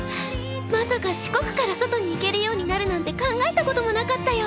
まさか四国から外に行けるようになるなんて考えたこともなかったよ。